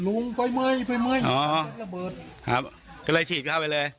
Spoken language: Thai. งงไฟเมื่อยไฟเมื่อยอ๋อระเบิดครับก็เลยฉีดเข้าไปเลย